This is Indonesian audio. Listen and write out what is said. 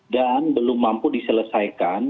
dan belum mampu diselesaikan